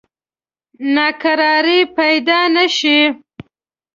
ناکراری پیدا نه شي.